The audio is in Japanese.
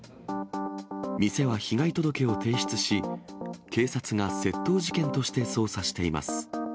店は被害届を提出し、警察が窃盗事件として捜査しています。